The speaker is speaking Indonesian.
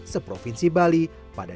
seprovinsi bali pada dua ribu enam belas